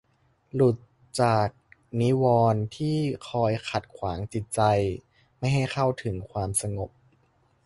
หลุดจากนิวรณ์ที่คอยขัดขวางจิตใจไม่ให้เข้าถึงความสงบ